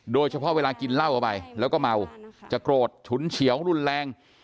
โดยเฉพาะเวลากินเหล้าออกไปแล้วก็เมาจะโกรธฉุนเฉียวรุนแรง